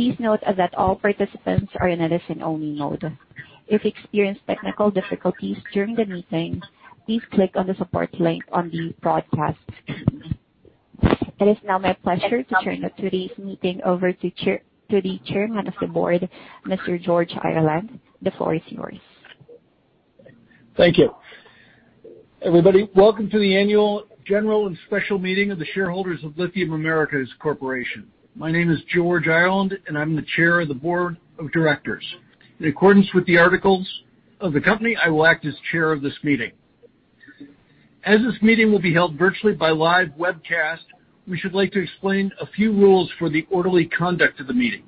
Please note that all participants are in a listen-only mode. If you experience technical difficulties during the meeting, please click on the support link on the broadcast. It is now my pleasure to turn today's meeting over to the Chairman of the Board, Mr. George Ireland. The floor is yours. Thank you. Everybody, Welcome to the Annual General and Special Meeting of the shareholders of Lithium Americas Corporation. My name is George Ireland. I'm the Chair of the Board of Directors. In accordance with the articles of the company, I will act as chair of this meeting. As this meeting will be held virtually by live webcast, we should like to explain a few rules for the orderly conduct of the meeting.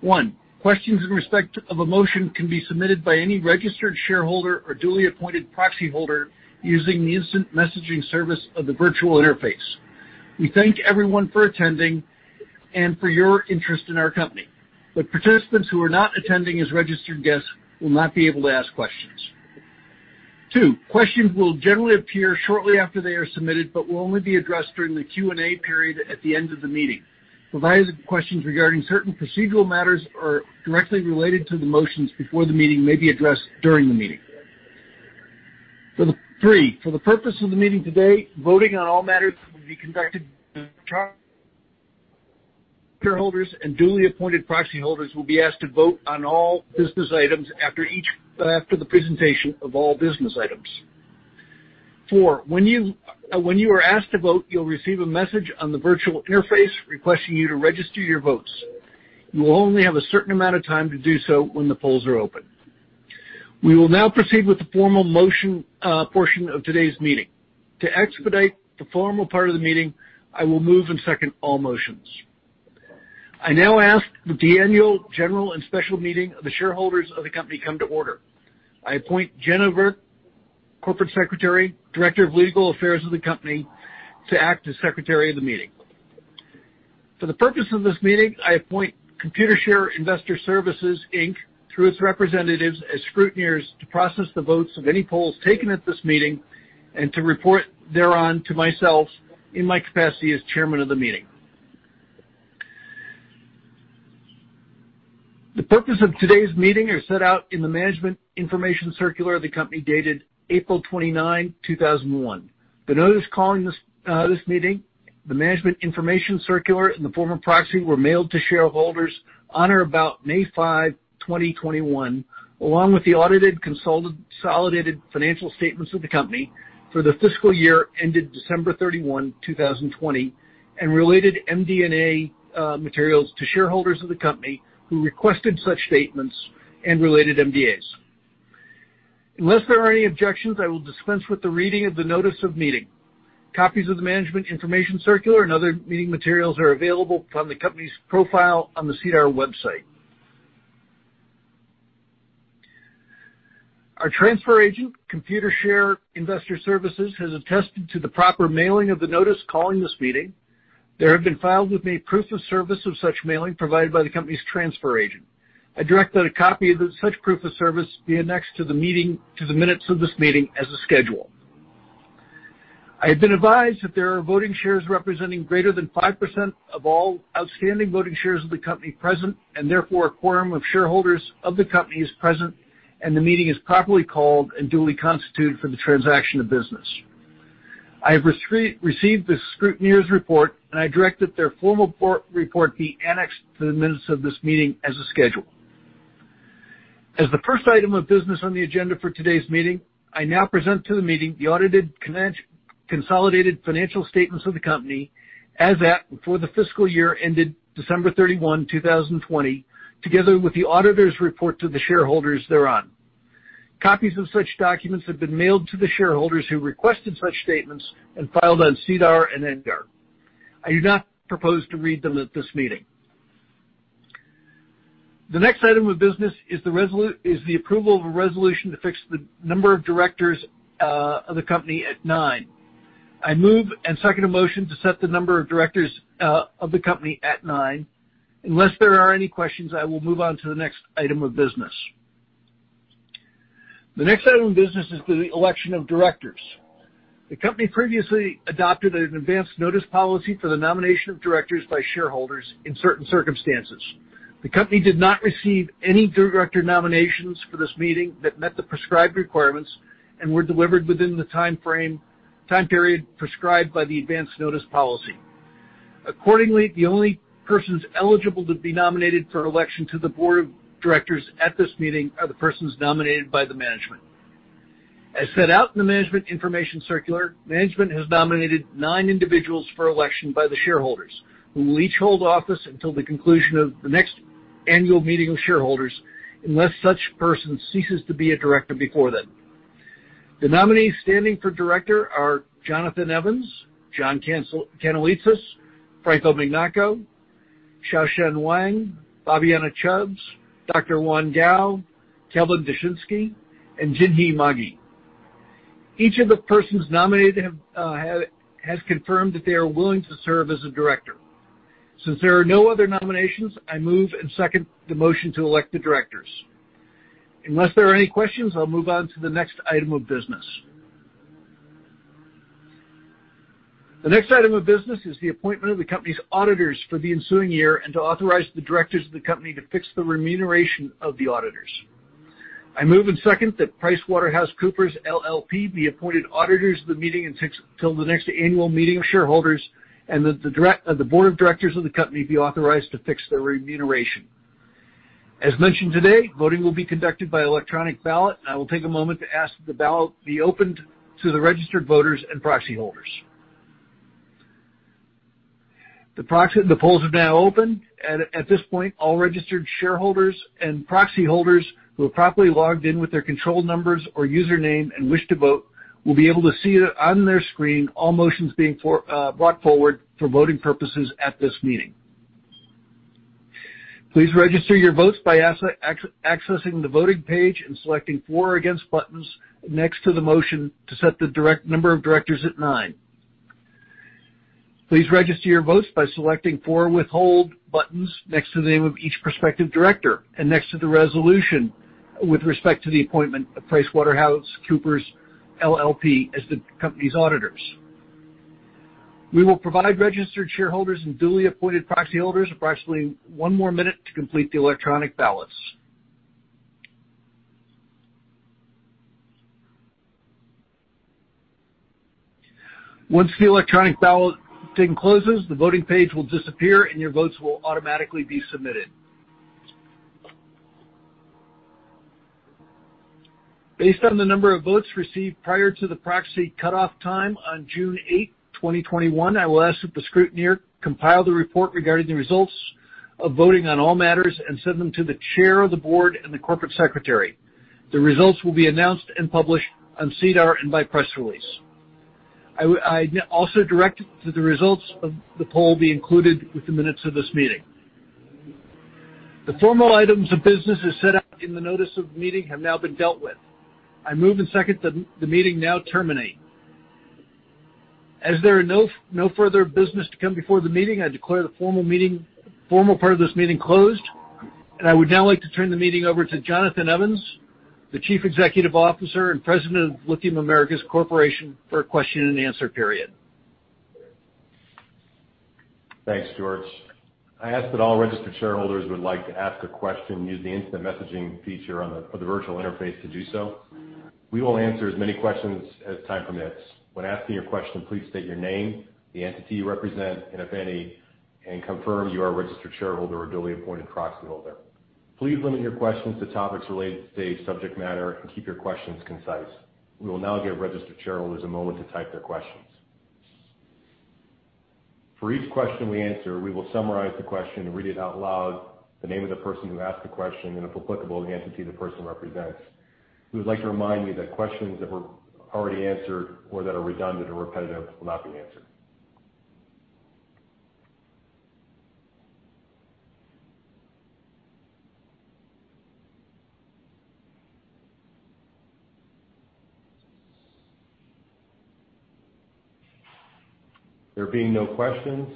One, questions in respect of a motion can be submitted by any registered shareholder or duly appointed proxy holder using the instant messaging service of the virtual interface. We thank everyone for attending and for your interest in our company. Participants who are not attending as registered guests will not be able to ask questions. Two, questions will generally appear shortly after they are submitted but will only be addressed during the Q&A period at the end of the meeting, provided the questions regarding certain procedural matters are directly related to the motions before the meeting may be addressed during the meeting. Three, for the purpose of the meeting today, voting on all matters will be conducted by Bankchak. Shareholders and duly appointed proxy holders will be asked to vote on all business items after the presentation of all business items. Four, when you are asked to vote, you'll receive a message on the virtual interface requesting you to register your votes. You will only have a certain amount of time to do so when the polls are open. We will now proceed with the formal motion portion of today's meeting. To expedite the formal part of the meeting, I will move and second all motions. I now ask that the Annual General and Special Meeting of the shareholders of the company come to order. I appoint Jenna Virk, Corporate Secretary, Director of Legal Affairs of the company, to act as Secretary of the meeting. For the purpose of this meeting, I appoint Computershare Investor Services Inc., through its representatives as scrutineers to process the votes of any polls taken at this meeting and to report thereon to myself in my capacity as Chairman of the meeting. The purpose of today's meeting are set out in the management information circular of the company dated April 29, 2001. The notice calling this meeting, the management information circular in the form of proxy were mailed to shareholders on or about May 5, 2021, along with the audited consolidated financial statements of the company for the fiscal year ended December 31, 2020, and related MD&A materials to shareholders of the company who requested such statements and related MD&As. Unless there are any objections, I will dispense with the reading of the notice of meeting. Copies of the management information circular and other meeting materials are available from the company's profile on the SEDAR+ website. Our transfer agent, Computershare Investor Services, has attested to the proper mailing of the notice calling this meeting. There have been filed with me proof of service of such mailing provided by the company's transfer agent. I direct that a copy of such proof of service be annexed to the minutes of this meeting as a schedule. I have been advised that there are voting shares representing greater than 5% of all outstanding voting shares of the company present, and therefore a quorum of shareholders of the company is present, and the meeting is properly called and duly constituted for the transaction of business. I have received the scrutineer's report, and I direct that their formal report be annexed to the minutes of this meeting as a schedule. As the first item of business on the agenda for today's meeting, I now present to the meeting the audited consolidated financial statements of the company as at before the fiscal year ended December 31, 2020, together with the auditor's report to the shareholders thereon. Copies of such documents have been mailed to the shareholders who requested such statements and filed on SEDAR+ and EDGAR. I do not propose to read them at this meeting. The next item of business is the approval of a resolution to fix the number of directors of the company at nine. I move and second a motion to set the number of directors of the company at nine. Unless there are any questions, I will move on to the next item of business. The next item of business is the election of directors. The company previously adopted an advance notice policy for the nomination of directors by shareholders in certain circumstances. The company did not receive any director nominations for this meeting that met the prescribed requirements and were delivered within the time period prescribed by the advance notice policy. Accordingly, the only persons eligible to be nominated for election to the board of directors at this meeting are the persons nominated by the management. As set out in the management information circular, management has nominated nine individuals for election by the shareholders who will each hold office until the conclusion of the next annual meeting of shareholders, unless such person ceases to be a director before then. The nominees standing for director are Jonathan Evans, John Kanellitsas, Franco Mignacco, Wang Xiaoshen, Fabiana Chubbs, Dr. Yuan Gao, Kelvin Dushnisky, and Jinhee Magie. Each of the persons nominated has confirmed that they are willing to serve as a director. Since there are no other nominations, I move and second the motion to elect the directors. Unless there are any questions, I'll move on to the next item of business. The next item of business is the appointment of the company's auditors for the ensuing year and to authorize the directors of the company to fix the remuneration of the auditors. I move and second that PricewaterhouseCoopers LLP, be appointed auditors of the meeting until the next annual meeting of shareholders, and that the board of directors of the company be authorized to fix their remuneration. As mentioned today, voting will be conducted by electronic ballot. I will take a moment to ask that the ballot be opened to the registered voters and proxy holders. The polls are now open. At this point, all registered shareholders and proxy holders who have properly logged in with their control numbers or username and wish to vote will be able to see on their screen all motions being brought forward for voting purposes at this meeting. Please register your votes by accessing the voting page and selecting for or against buttons next to the motion to set the number of directors at nine. Please register your votes by selecting for or withhold buttons next to the name of each prospective director and next to the resolution with respect to the appointment of PricewaterhouseCoopers LLP, as the company's auditors. We will provide registered shareholders and duly appointed proxy holders approximately one more minute to complete the electronic ballots. Once the electronic balloting closes, the voting page will disappear, and your votes will automatically be be submitted. Based on the number of votes received prior to the proxy cutoff time on June 8th, 2021, I will ask that the scrutineer compile the report regarding the results of voting on all matters and send them to the chair of the board and the corporate secretary. The results will be announced and published on SEDAR+ and by press release. I also direct that the results of the poll be included with the minutes of this meeting. The formal items of business as set out in the notice of the meeting have now been dealt with. I move and second that the meeting now terminate. As there are no further business to come before the meeting, I declare the formal part of this meeting closed. I would now like to turn the meeting over to Jonathan Evans, the Chief Executive Officer and President of Lithium Americas Corporation, for a question and answer period. Thanks, George. I ask that all registered shareholders who would like to ask a question use the instant messaging feature on the virtual interface to do so. We will answer as many questions as time permits. When asking your question, please state your name, the entity you represent, and if any, and confirm you are a registered shareholder or duly appointed proxyholder. Please limit your questions to topics related to today's subject matter and keep your questions concise. We will now give registered shareholders a moment to type their questions. For each question we answer, we will summarize the question and read it out loud, the name of the person who asked the question, and if applicable, the entity the person represents. We would like to remind you that questions that were already answered or that are redundant or repetitive will not be answered. There being no questions,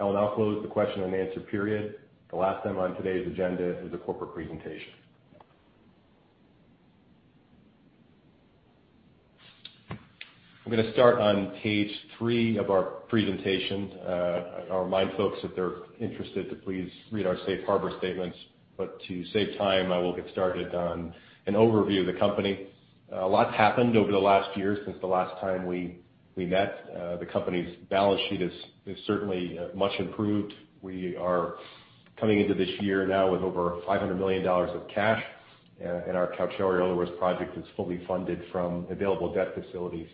I will now close the question and answer period. The last item on today's agenda is a corporate presentation. I'm going to start on page three of our presentation. I'll remind folks if they're interested to please read our safe harbor statements. To save time, I will get started on an overview of the company. A lot's happened over the last year since the last time we met. The company's balance sheet is certainly much improved. We are coming into this year now with over $500 million of cash, and our Caucharí-Olaroz project is fully funded from available debt facilities.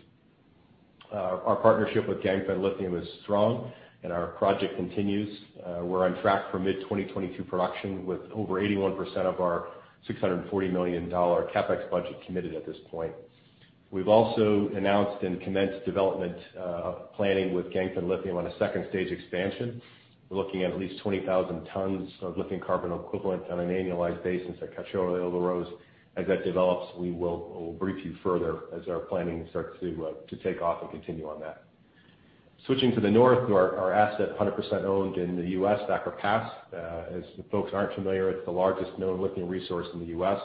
Our partnership with Ganfeng Lithium is strong, and our project continues. We're on track for mid-2022 production with over 81% of our $640 million CapEx budget committed at this point. We've also announced and commenced development of planning with Ganfeng Lithium on a second-stage expansion. We're looking at least 20,000 tons of lithium carbonate equivalent on an annualized basis at Caucharí-Olaroz. As that develops, we will brief you further as our planning starts to take off and continue on that. Switching to the north, our asset 100% owned in the U.S., Thacker Pass. As the folks who aren't familiar, it's the largest known lithium resource in the U.S.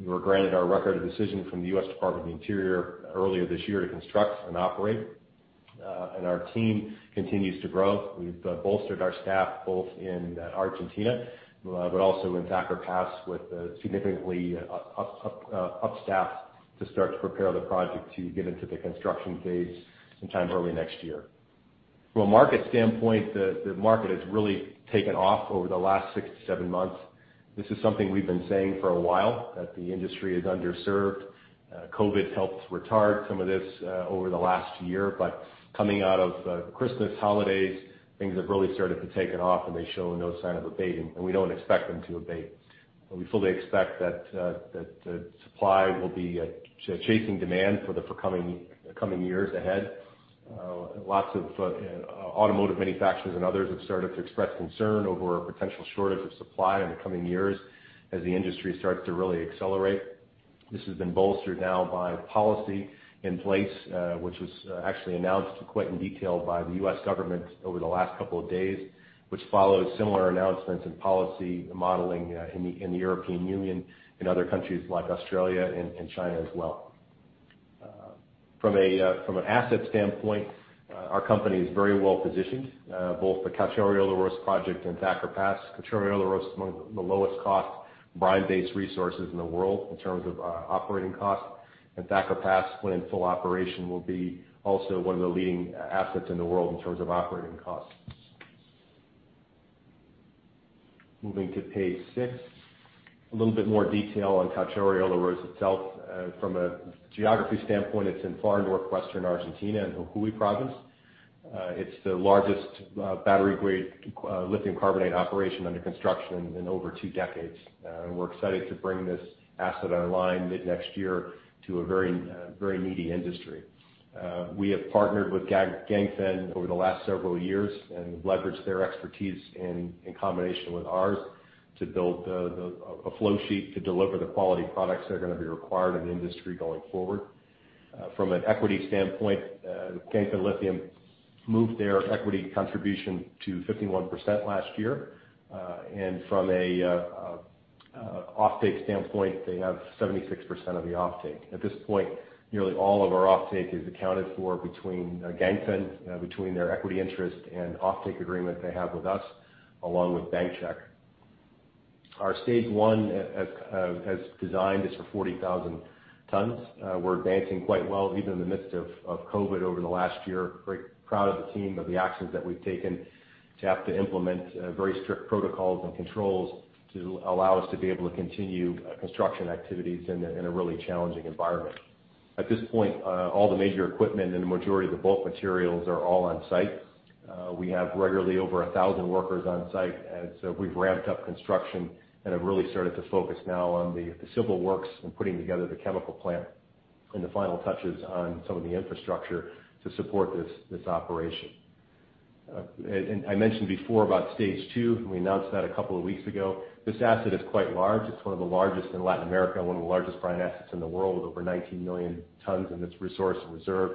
We were granted our record of decision from the U.S. Department of the Interior earlier this year to construct and operate. Our team continues to grow. We've bolstered our staff both in Argentina, but also in Thacker Pass with significantly upstaff to start to prepare the project to get into the construction phase sometime early next year. From a market standpoint, the market has really taken off over the last six to seven months. This is something we've been saying for a while, that the industry is underserved. COVID helped retard some of this over the last year, but coming out of the Christmas holidays, things have really started to take off, and they show no sign of abating, and we don't expect them to abate. We fully expect that the supply will be chasing demand for the coming years ahead. Lots of automotive manufacturers and others have started to express concern over a potential shortage of supply in the coming years as the industry starts to really accelerate. This has been bolstered now by policy in place, which was actually announced quite in detail by the U.S. government over the last couple of days, which followed similar announcements in policy modeling in the European Union and other countries like Australia and China as well. From an asset standpoint, our company is very well positioned, both the Caucharí-Olaroz project and Thacker Pass. Caucharí-Olaroz is among the lowest cost brine-based resources in the world in terms of operating costs. Thacker Pass, when in full operation, will be also one of the leading assets in the world in terms of operating costs. Moving to page six, a little bit more detail on Caucharí-Olaroz itself. From a geography standpoint, it's in far northwestern Argentina in Jujuy Province. It's the largest battery-grade lithium carbonate operation under construction in over two decades. We're excited to bring this asset online mid-next year to a very needy industry. We have partnered with Ganfeng over the last several years and leveraged their expertise in combination with ours to build a flow sheet to deliver the quality products that are going to be required in the industry going forward. From an equity standpoint, Ganfeng Lithium moved their equity contribution to 51% last year. From an offtake standpoint, they have 76% of the offtake. At this point, nearly all of our offtake is accounted for between Ganfeng, between their equity interest and offtake agreement they have with us, along with Bankchak. Our stage one as designed is for 40,000 tons. We're advancing quite well, even in the midst of COVID over the last year. Very proud of the team, of the actions that we've taken to have to implement very strict protocols and controls to allow us to be able to continue construction activities in a really challenging environment. At this point, all the major equipment and the majority of the bulk materials are all on site. We have regularly over 1,000 workers on site, and so we've ramped up construction and have really started to focus now on the civil works and putting together the chemical plant and the final touches on some of the infrastructure to support this operation. I mentioned before about stage two. We announced that a couple of weeks ago. This asset is quite large. It's one of the largest in Latin America and one of the largest brine assets in the world with over 19 million tons in its resource reserve.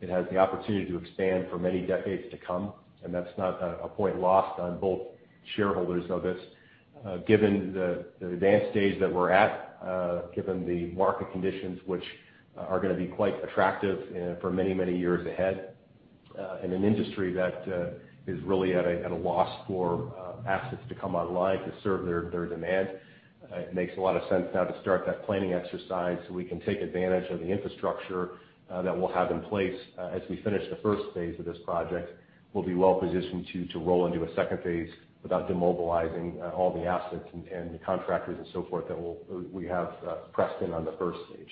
It has the opportunity to expand for many decades to come. That's not a point lost on both shareholders of this. Given the advanced stage that we're at, given the market conditions, which are going to be quite attractive for many years ahead, in an industry that is really at a loss for assets to come online to serve their demand, it makes a lot of sense now to start that planning exercise so we can take advantage of the infrastructure that we'll have in place. As we finish the first phase of this project, we'll be well positioned to roll into a second phase without demobilizing all the assets and the contractors and so forth that we have pressed in on the first stage.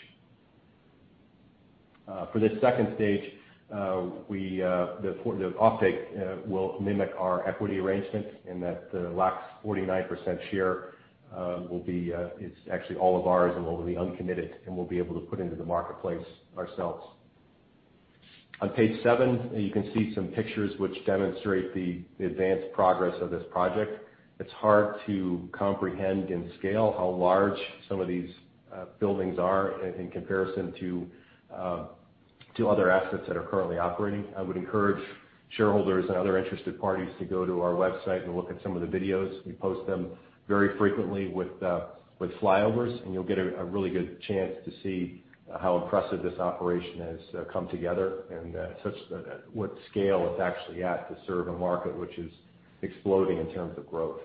For this second stage, the offtake will mimic our equity arrangement in that the last 49% share is actually all of ours and will be uncommitted and we'll be able to put into the marketplace ourselves. On page seven, you can see some pictures which demonstrate the advanced progress of this project. It's hard to comprehend in scale how large some of these buildings are in comparison to other assets that are currently operating. I would encourage shareholders and other interested parties to go to our website and look at some of the videos. We post them very frequently with flyovers, and you'll get a really good chance to see how impressive this operation has come together and what scale it's actually at to serve a market which is exploding in terms of growth.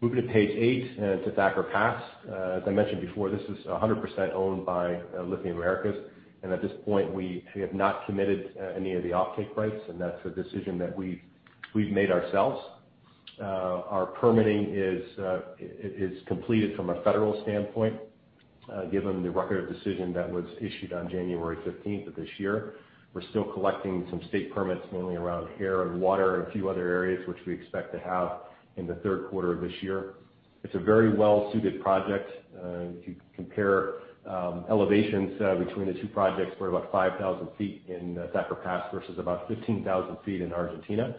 Moving to page eight, to Thacker Pass. As I mentioned before, this is 100% owned by Lithium Americas. At this point, we have not committed any of the offtake rights, and that's a decision that we've made ourselves. Our permitting is completed from a federal standpoint, given the record of decision that was issued on January 15th of this year. We're still collecting some state permits mainly around air and water and a few other areas, which we expect to have in the third quarter of this year. It's a very well-suited project. If you compare elevations between the two projects, we're at about 5,000 feet in Thacker Pass versus about 15,000 feet in Argentina.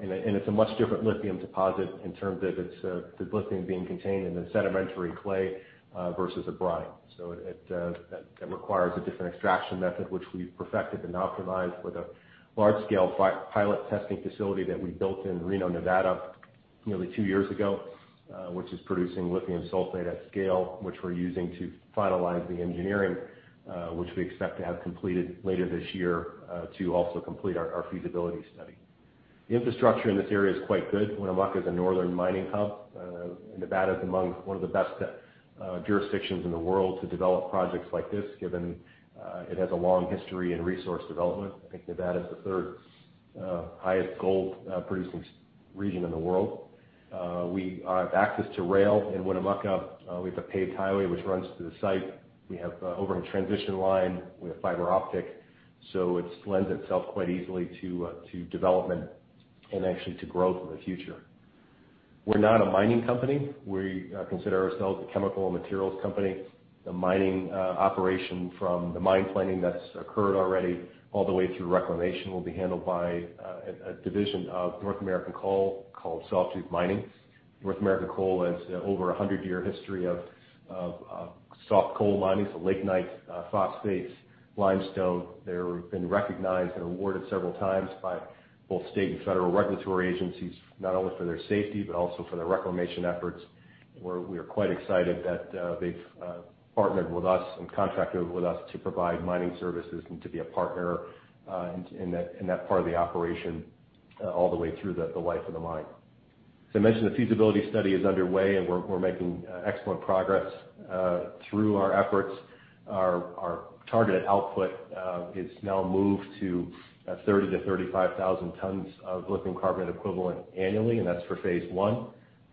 It's a much different lithium deposit in terms of the lithium being contained in a sedimentary clay versus a brine. It requires a different extraction method, which we've perfected and optimized with a large-scale pilot testing facility that we built in Reno, Nevada nearly two years ago, which is producing lithium sulfate at scale, which we're using to finalize the engineering, which we expect to have completed later this year to also complete our feasibility study. The infrastructure in this area is quite good. Winnemucca is a northern mining hub. Nevada is among one of the best jurisdictions in the world to develop projects like this, given it has a long history in resource development. I think Nevada is the third highest gold producing region in the world. We have access to rail in Winnemucca. We have a paved highway which runs through the site. We have an overhead transition line. We have fiber optic. It lends itself quite easily to development and actually to growth in the future. We're not a mining company. We consider ourselves a chemical and materials company. The mining operation from the mine planning that's occurred already all the way through reclamation will be handled by a division of North American Coal called Sawtooth Mining. North American Coal has over 100-year history of surface coal mining. It's a lignite, phosphate, limestone, they've been recognized and awarded several times by both state and federal regulatory agencies, not only for their safety, but also for their reclamation efforts. We're quite excited that they've partnered with us and contracted with us to provide mining services and to be a partner in that part of the operation all the way through the life of the mine. As I mentioned, the feasibility study is underway, and we're making excellent progress through our efforts. Our target output is now moved to 30,000-35,000 tons of lithium carbonate equivalent annually. That's for phase I.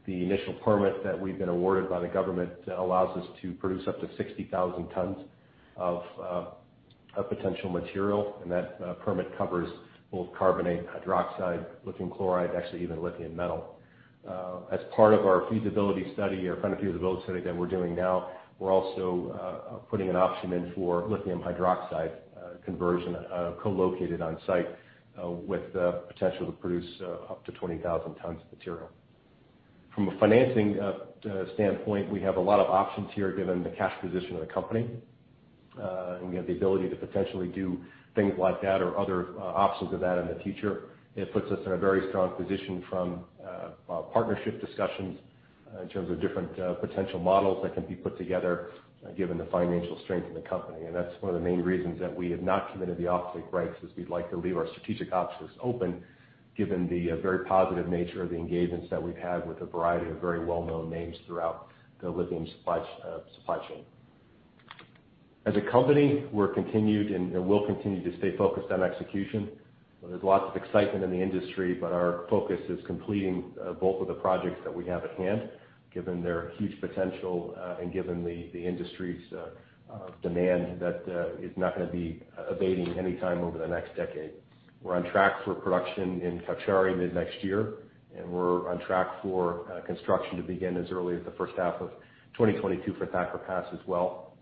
The initial permit that we've been awarded by the government allows us to produce up to 60,000 tons of potential material. That permit covers both carbonate, hydroxide, lithium chloride, actually even lithium metal. As part of our feasibility study or front-end feasibility study that we're doing now, we're also putting an option in for lithium hydroxide conversion co-located on-site with the potential to produce up to 20,000 tons of material. From a financing standpoint, we have a lot of options here given the cash position of the company and the ability to potentially do things like that or other options of that in the future. It puts us in a very strong position from partnership discussions in terms of different potential models that can be put together given the financial strength of the company. That's one of the main reasons that we have not committed the off-take rights, is we'd like to leave our strategic options open given the very positive nature of the engagements that we've had with a variety of very well-known names throughout the lithium supply chain. As a company, we're continued and will continue to stay focused on execution. There's lots of excitement in the industry, but our focus is completing both of the projects that we have at hand, given their huge potential and given the industry's demand that is not going to be abating anytime over the next decade. We're on track for production in Cauchari mid-next year, and we're on track for construction to begin as early as the first half of 2022 for Thacker Pass as well.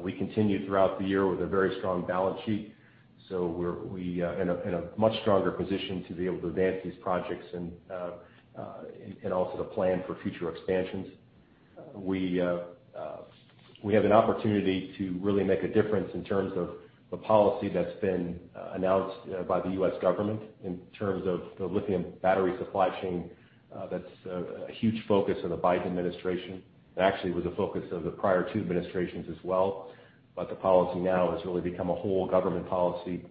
We continued throughout the year with a very strong balance sheet, so we are in a much stronger position to be able to advance these projects and also to plan for future expansions. We have an opportunity to really make a difference in terms of the policy that's been announced by the U.S. government in terms of the lithium battery supply chain. That's a huge focus of the Biden administration. It actually was a focus of the prior two administrations as well. The policy now has really become a whole government policy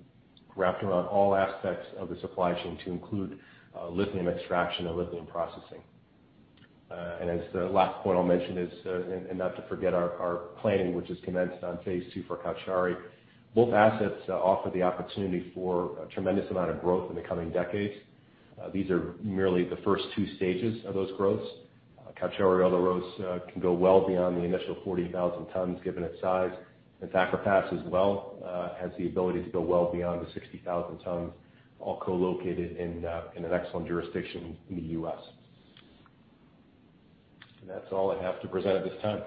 wrapped around all aspects of the supply chain to include lithium extraction and lithium processing. The last point I'll mention is not to forget our planning, which has commenced on phase II for Cauchari. Both assets offer the opportunity for a tremendous amount of growth in the coming decades. These are merely the first two stages of those growths. Cauchari, on the other hand, can go well beyond the initial 40,000 tons given its size, and Thacker Pass as well has the ability to go well beyond the 60,000 tons, all co-located in an excellent jurisdiction in the U.S. That's all I have to present at this time.